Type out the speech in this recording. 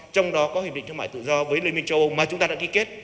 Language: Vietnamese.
trong đó có hiệp định thương mại tự do với liên minh châu âu mà chúng ta đã ký kết